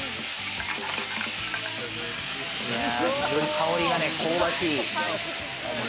香りが香ばしい。